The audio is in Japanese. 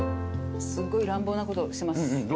すごい乱暴なことします。